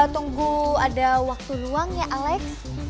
tunggu ada waktu luang ya alex